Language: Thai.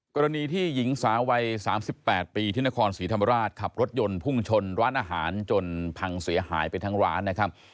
กรณีที่หญิงสาววัย๓๘ปีที่นครศรีธรรมราชขับรถยนต์พุ่งชนร้านอาหารจนพังเสียหายไปทั้งร้านนะครับ